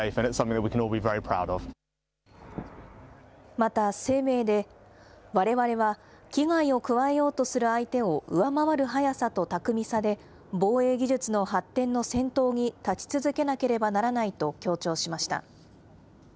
また声明で、われわれは危害を加えようとする相手を上回る速さと巧みさで、防衛技術の発展の先頭に立ち続けなければならないと強調しました。